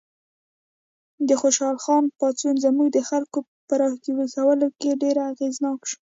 د خوشحال خان پاڅون زموږ د خلکو په راویښولو کې ډېر اغېزناک شو.